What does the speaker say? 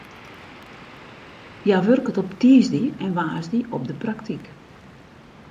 Hja wurket op tiisdei en woansdei op de praktyk.